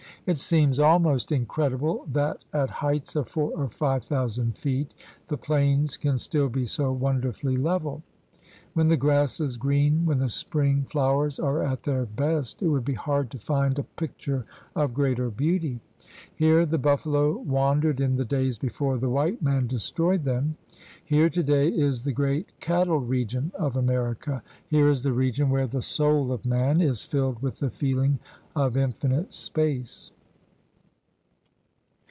It seems al most incredible that at heights of four or five thousand feet the plains can still be so wonderfully level. When the grass is green, when the spring flowers are at their best, it would be hard to find a picture of greater beauty. Here the buffalo wan dered in the days before the white man destroyed them. Here todaj' is the great cattle region of America. Here is the region where the soul of man is filled with the feeling of infinite space.